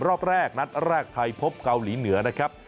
รอบแรกนัดแรกไทยพบเกาหลีเหนือนะครับ